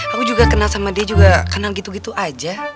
aku juga kenal sama dia juga kenal gitu gitu aja